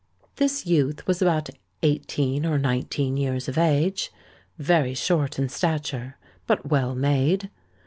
This youth was about eighteen or nineteen years of age, very short in stature, but well made.